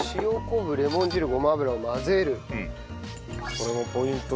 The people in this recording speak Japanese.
これもポイントですね。